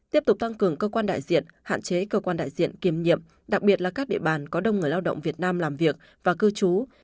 tiếp tục tăng cường cơ quan đại diện hạn chế cơ quan đại diện kiêm nhiệm đặc biệt là các địa bàn có đông người lao động việt nam làm việc và cư trú